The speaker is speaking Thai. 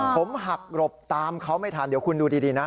ผมหักหลบตามเขาไม่ทันเดี๋ยวคุณดูดีนะ